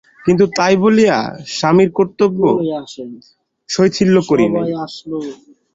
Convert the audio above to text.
কিন্তু তাই বলিয়া স্বামীর কর্তব্যে শৈথিল্য করি নাই।